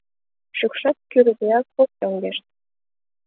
Шӱкшак кӱрдеак ок йоҥгешт.